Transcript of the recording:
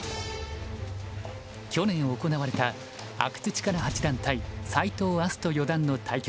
去年行われた阿久津主税八段対斎藤明日斗四段の対局。